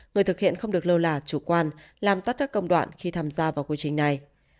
người thực hiện không được lơ là chủ quan làm tắt các công đoạn khi tham gia vào quy trình này